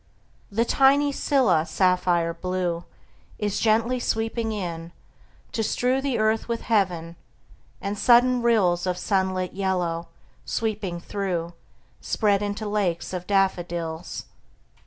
The tiny scilla, sapphire blue, Is gently sweeping in, to strew The earth with heaven; and sudden rills Of sunlit yellow, sweeping through, Spread into lakes of daffodils.